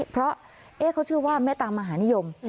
เพราะเขาชื่อว่าแม่ตามหานิยม